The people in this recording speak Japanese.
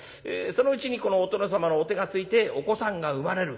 そのうちにお殿様のお手がついてお子さんが生まれる。